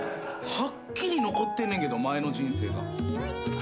はっきり残ってんねんけど前の人生が。